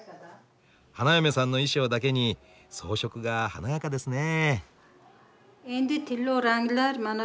花嫁さんの衣装だけに装飾が華やかですね。